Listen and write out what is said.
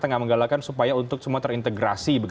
tengah menggalakkan supaya untuk semua terintegrasi